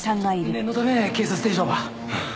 念のため警察手帳を。